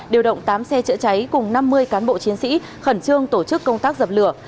điều động tám xe chữa cháy cùng năm mươi cán bộ chiến sĩ khẩn trương tổ chức công tác dập lửa